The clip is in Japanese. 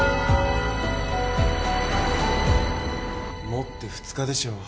もって２日でしょう。